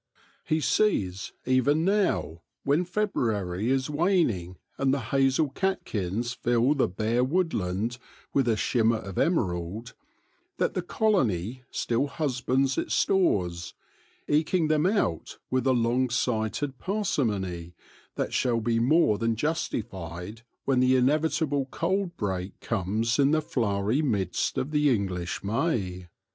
He sees, even now, when February is waning and the hazel catkins fill the bare woodland with a shimmer of emerald, that the colony still husbands its stores, eking them out with a long sighted parsimony that shall be more than justified when the inevitable cold break comes in the flowery midst of the English May.